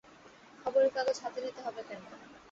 খবরের কাগজ হাতে নিতে হবে কেন?